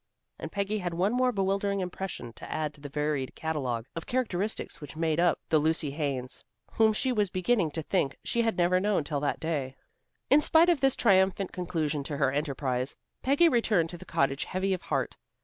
And Peggy had one more bewildering impression to add to the varied catalogue of characteristics which made up the Lucy Haines, whom she was beginning to think she had never known till that day. In spite of this triumphant conclusion to her enterprise, Peggy returned to the cottage heavy of heart.